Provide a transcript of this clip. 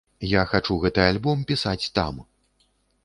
Я хачу гэты альбом пісаць там.